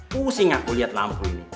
pusing aku lihat lampu ini